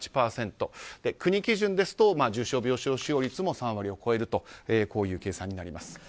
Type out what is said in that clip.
国基準ですと重症病床使用率も３割を超えるとこういう計算になります。